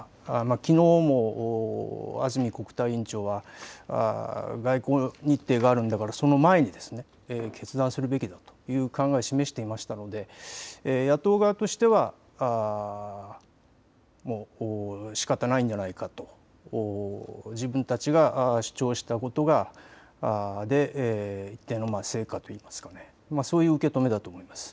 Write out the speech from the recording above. きのうも安住国対委員長が外交日程があるんだからその前に決断するべきだという考えを示していたので野党側としてはしかたないんじゃないかと、自分たちが主張したことで一定の成果というか、そういう受け止めだと思います。